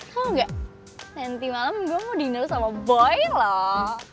kamu gak nanti malam gue mau dinner sama boy loh